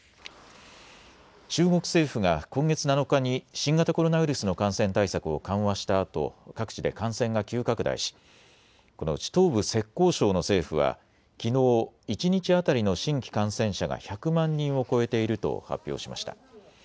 中国政府が今月７日に新型コロナウイルスの感染対策を緩和したあと各地で感染が急拡大しこのうち東部・浙江省の政府はきのう一日当たりの新規感染者が１００万人を超えていると発表しました。